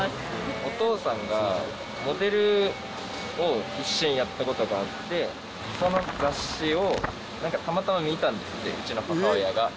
お父さんがモデルを一瞬、やったことがあって、その雑誌をなんか、たまたま見たんですって、うちの母親が。